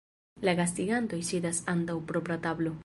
La gastigantoj sidas antaŭ propra tablo.